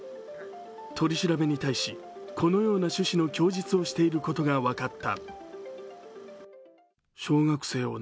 取り調べに対し、このような趣旨の供述をしていることが分かった。